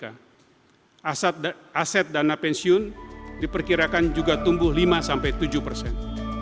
aset dana pensiun diperkirakan juga tumbuh lima tujuh persen